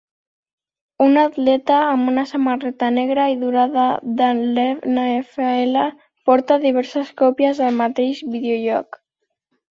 Un atleta amb una samarreta negra i daurada de l'NFL porta diverses còpies del mateix videojoc.